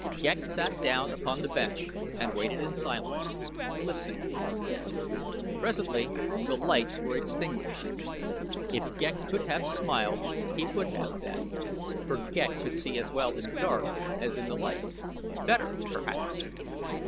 Ghek sat down upon the bench and waited in silence, listening. Presently the lights were extinguished. If Ghek could have smiled he would have then, for Ghek could see as well in the dark as in the light better, perhaps.